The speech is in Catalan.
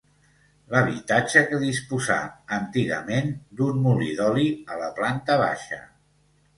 L'habitatge que disposà, antigament, d'un molí d'oli a la planta baixa.